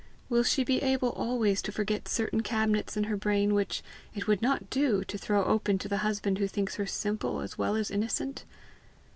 will she be able always to forget certain cabinets in her brain which "it would not do" to throw open to the husband who thinks her simple as well as innocent?